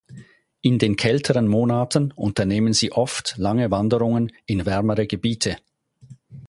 In den kälteren Monaten unternehmen sie oft lange Wanderungen in wärmere Gebiete.